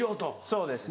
そうです。